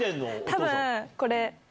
多分これ。